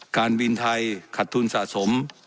การบินไทยขัดทุนสะสม